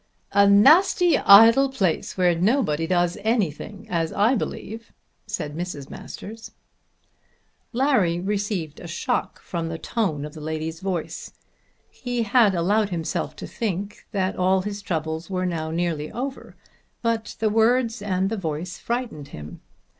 "A nasty idle place where nobody does anything as I believe," said Mrs. Masters. Larry received a shock from the tone of the lady's voice. He had allowed himself to think that all his troubles were now nearly over, but the words and the voice frightened him.